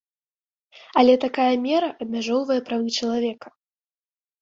Але такая мера абмяжоўвае правы чалавека.